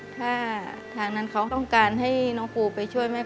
ถ้าทางนั้นเขาต้องการให้น้องปูไปช่วยแม่